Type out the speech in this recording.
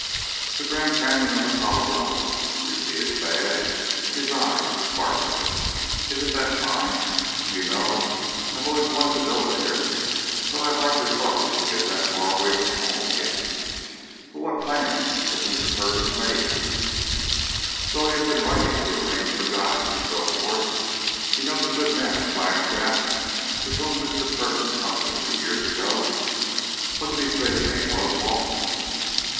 "The Grand Canyon of the Colorado?" repeated Tad, his eyes sparkling. "Isn't that fine? Do you know, I have always wanted to go there, but I hardly thought we should get that far away from home again. But what plans has Mr. Perkins made?" "Well, he has been writing to arrange for guides and so forth. He knows a good man at Flagstaff with whom Mr. Perkins hunted a few years ago. What did he say the name was, Walt?"